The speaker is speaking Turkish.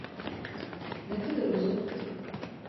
Ne kadar uzak?